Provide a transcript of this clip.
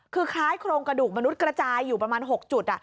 คือคล้ายโครงกระดูกมนุษย์กระจายอยู่ประมาณ๖จุด